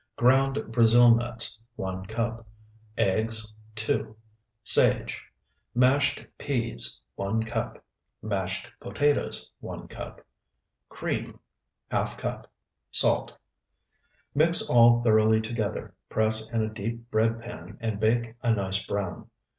Ground Brazil nuts, 1 cup. Eggs, 2. Sage. Mashed peas, 1 cup. Mashed potatoes, 1 cup. Cream, ½ cup. Salt. Mix all thoroughly together, press in a deep bread pan, and bake a nice brown.